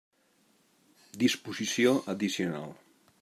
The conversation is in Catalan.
Disposició addicional.